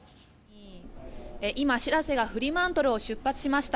今、「しらせ」がフリマントルを出発しました。